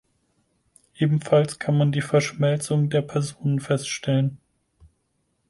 Ebenfalls kann man die Verschmelzung der Personen feststellen.